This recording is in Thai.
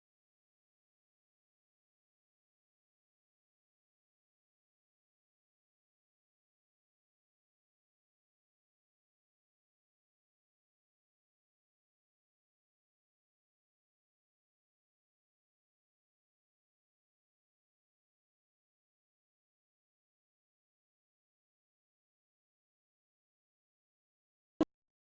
โปรดติดตามตอนต่อไป